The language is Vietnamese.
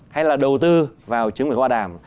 hay là đầu tư vào chứng quyền khoa đảm